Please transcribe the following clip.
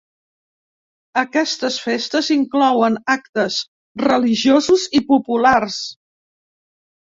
Aquestes festes inclouen actes religiosos i populars.